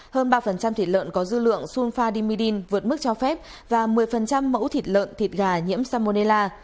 hơn ba thịt lợn có dư lượng sunfadimidin vượt mức cho phép và một mươi mẫu thịt lợn thịt gà nhiễm salmonella